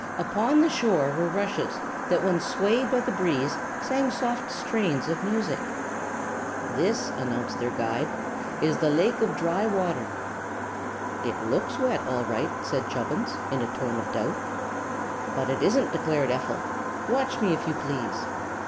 Upon the shore were rushes that when swayed by the breeze sang soft strains of music. "This," announced their guide, "is the Lake of Dry Water." "It looks wet, all right," said Chubbins, in a tone of doubt. "But it isn't," declared Ephel. "Watch me, if you please."